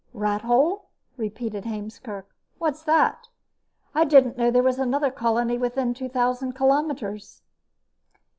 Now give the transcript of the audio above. "Rathole?" repeated Heemskerk. "What's that? I didn't know there was another colony within two thousand kilometers."